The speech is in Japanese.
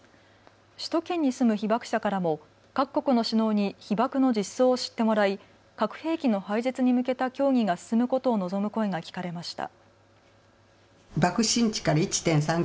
首都圏に住む被爆者からも各国の首脳に被爆の実相を知ってもらい核兵器の廃絶に向けた協議が進むことを望む声が聞かれました。